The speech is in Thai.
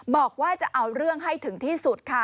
บอกว่าจะเอาเรื่องให้ถึงที่สุดค่ะ